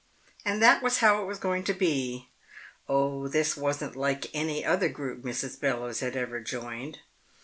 And that was how it was going to be. Oh, this wasn't like any other group Mrs. Bellowes had ever joined.